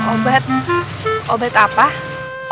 oh ini obat sinsi untuk ngilangin darah beku di mukanya robi